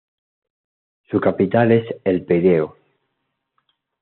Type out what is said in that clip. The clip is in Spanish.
Su capital es El Pireo.